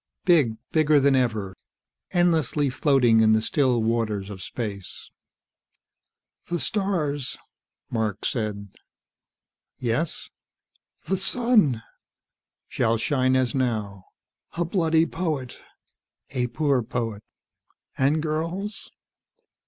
Big, bigger than ever, endlessly floating in the still waters of space. "The stars ..." Mark said. "Yes?" "The sun?" " shall shine as now." "A bloody poet." "A poor poet." "And girls?"